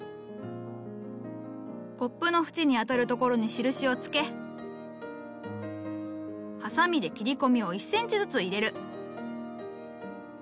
コップの縁に当たるところに印をつけはさみで切り込みを１センチずつ入れる。